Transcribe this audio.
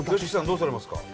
どうされますか？